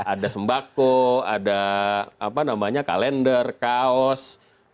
ada sembako ada kalender kaos